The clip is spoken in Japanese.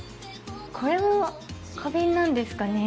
これも花瓶なんですかね？